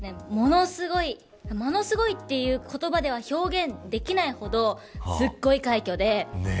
ものすごいという言葉では表現できないほどすごい快挙で。